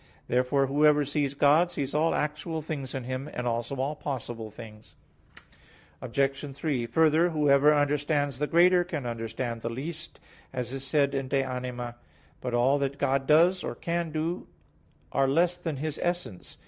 Therefore whoever sees God, sees all actual things in Him, and also all possible things. Obj. 3: Further, whoever understands the greater, can understand the least, as is said in De Anima iii. But all that God does, or can do, are less than His essence.